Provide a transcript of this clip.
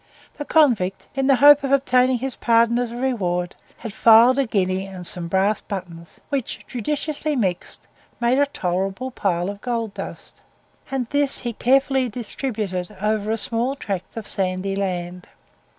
The convict, in the hope of obtaining his pardon as a reward, had filed a guinea and some brass buttons, which, judiciously mixed, made a tolerable pile of gold dust, and this he carefully distributed over a small tract of sandy land.